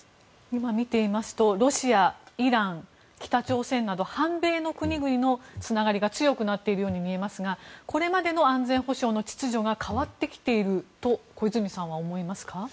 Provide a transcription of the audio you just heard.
今見ていますとロシア、イラン、北朝鮮など反米の国々のつながりが強くなっているように見えますがこれまでの安全保障の秩序が変わってきていると小泉さんは思いますか？